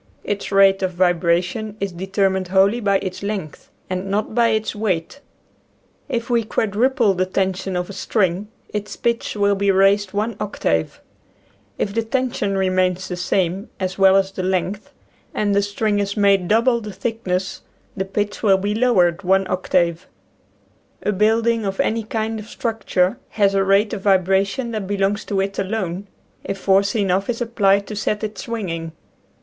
Its rate of vibration is de termined wholly by its length and not by its weight. If we quadruple the tension of a string its pitch will be raised one octave. If the tension remains the same as well as the length, and 75 {^\, Original from :{<~ UNIVERSITY OF WISCONSIN 76 "Nature's Atraclee. the string is made double the thickness, the pitch will be lowered one octave. A building or any kind of structure has a rate of vibra tion that belongs to it alone if force enough is applied to set it swinging.